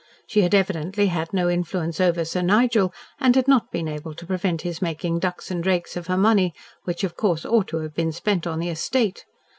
She had evidently had no influence over Sir Nigel, and had not been able to prevent his making ducks and drakes of her money, which of course ought to have been spent on the estate.